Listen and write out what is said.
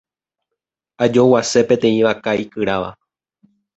Ajoguase peteĩ vaka ikyráva.